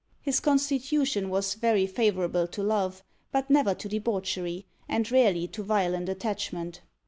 His constitution was very favourable to love, but never to debauchery, and rarely to violent attachment.